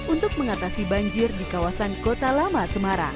untuk mengatasi banjir di kawasan kota lama semarang